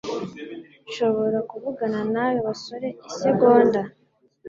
Nshobora kuvugana nawe basore isegonda?